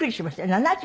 ７０。